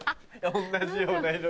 同じような色。